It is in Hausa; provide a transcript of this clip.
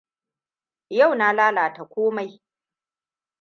Yau na lalata komai.